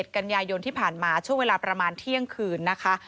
กันยายนที่ผ่านมาช่วงเวลาประมาณเที่ยงคืนนะคะ